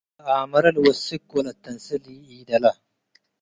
ለኣመረ ልወስክ ወለአተንሴ ለኢደለ